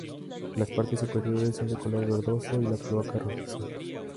Las partes superiores son de color verdoso y la cloaca rojiza.